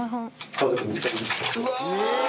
家族、見つかりました。